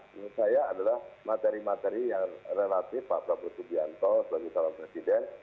menurut saya adalah materi materi yang relatif pak prabowo subianto sebagai calon presiden